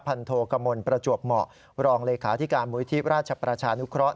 พันธกมลประจวบเหมารองเลขาที่การมูลที่ราชประชานุเคราะห์